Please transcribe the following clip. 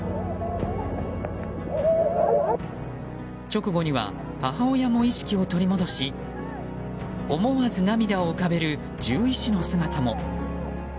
直後には母親も意識を取り戻し思わず涙を浮かべる獣医師の姿も。